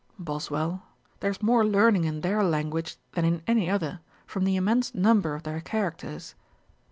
BOSWELL. 'There is more learning in their language than in any other, from the immense number of their characters.'